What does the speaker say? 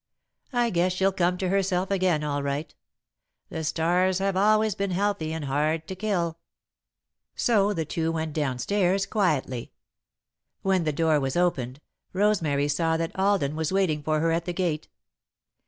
I guess she'll come to herself again all right. The Starrs have always been healthy and hard to kill." [Sidenote: Into the World] So the two went down stairs quietly. When the door was opened, Rosemary saw that Alden was waiting for her at the gate.